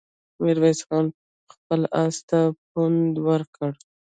ميرويس خان خپل آس ته پونده ورکړه.